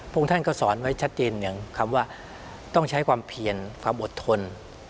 พวกท่านก็สอนไว้ชัดเจนอย่างคำว่าต้องใช้ความเพียรความอดทน